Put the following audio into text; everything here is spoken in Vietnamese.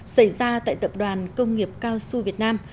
xảy ra tại tập đoàn công nghiệp cao su việt nam